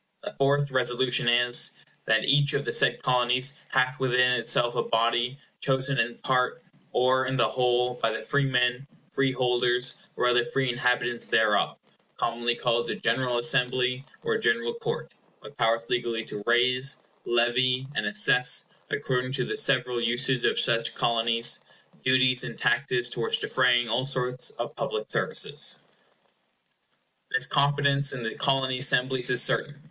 The fourth Resolution is— "That each of the said Colonies hath within itself a body, chosen in part, or in the whole, by the freemen, free holders, or other free inhabitants thereof, commonly called the General Assembly, or General Court, with powers legally to raise, levy, and assess, according to the several usage of such Colonies duties and taxes towards defraying all sorts of public services" This competence in the Colony Assemblies is certain.